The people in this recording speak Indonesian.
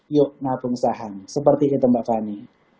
yuk ngabung saham seperti itu mbak fanny